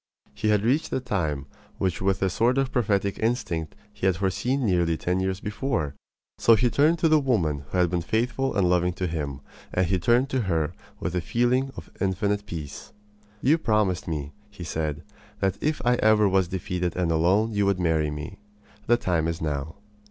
He had reached the time which with a sort of prophetic instinct he had foreseen nearly ten years before. So he turned to the woman who had been faithful and loving to him; and he turned to her with a feeling of infinite peace. "You promised me," he said, "that if ever I was defeated and alone you would marry me. The time is now."